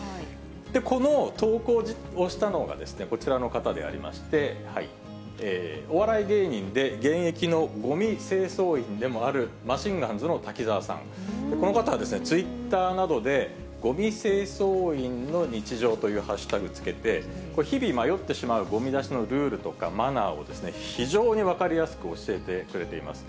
この投稿をしたのが、こちらの方でありまして、お笑い芸人で現役のごみ清掃員でもある、マシンガンズの滝沢さん、この方は、ツイッターなどでゴミ清掃員の日常というハッシュタグをつけて、これ、日々迷ってしまうごみ出しのルールとかマナーを、非常に分かりやすく教えてくれています。